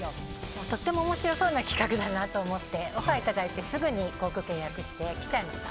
とても面白そうな企画だなと思ってオファーいただいてすぐに航空券を予約して来ちゃいました。